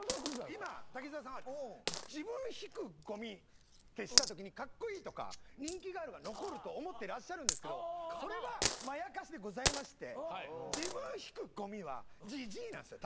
今滝沢さんは自分引くゴミってしたときに「カッコイイ」とか「人気がある」が残ると思ってらっしゃるんですけどそれはまやかしでございまして自分引くゴミはじじいなんですよ